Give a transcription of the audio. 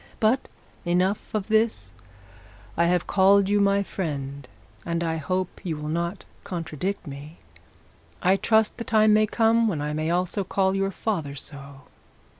But enough of this; I have called you my friend, and I hope you will not contradict me. I trust the time may come when I may also call your father so.